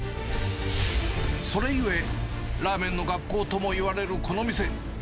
それゆえ、ラーメンの学校ともいわれるこの店。